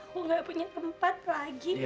aku gak punya tempat lagi